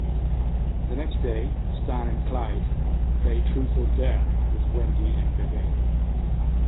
The next day, Stan and Clyde play Truth or Dare with Wendy and Bebe.